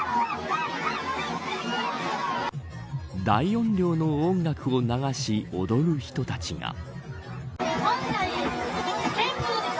大音量の音楽を流し踊る人たちが。